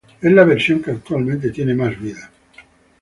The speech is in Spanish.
Es la versión que actualmente tiene más vida.